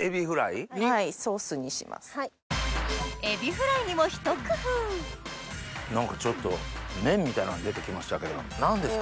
エビフライにもひと工夫何かちょっと麺みたいなのが出てきましたけど何ですか？